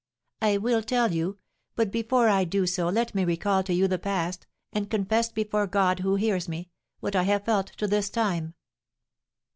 "I will tell you; but before I do so let me recall to you the past, and confess before God, who hears me, what I have felt to this time."